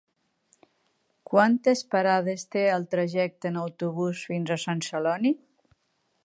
Quantes parades té el trajecte en autobús fins a Sant Celoni?